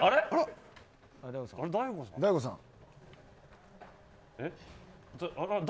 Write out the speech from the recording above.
大悟さん？